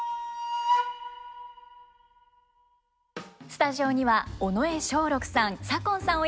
スタジオには尾上松緑さん左近さん